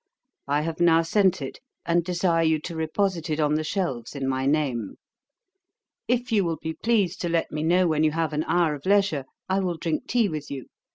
I have now sent it, and desire you to reposit it on the shelves in my name. 'If you will be pleased to let me know when you have an hour of leisure, I will drink tea with you.